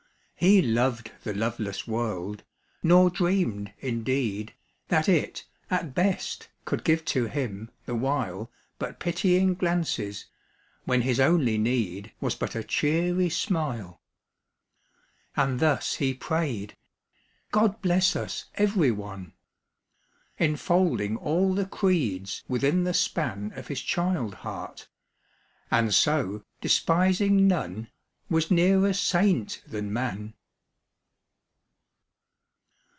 He loved the loveless world, nor dreamed, in deed. That it, at best, could give to him, the while. But pitying glances, when his only need Was but a cheery smile. And thus he prayed, " God bless us every one!" Enfolding all the creeds within the span Of his child heart; and so, despising none, Was nearer saint than man.